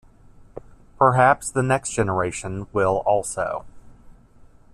Perhaps the next generation will also.